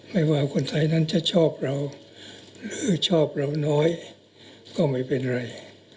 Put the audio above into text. ไม่ว่าคนไทยนั้นจะชอบเราหรือชอบเราน้อยก็ไม่เป็นไร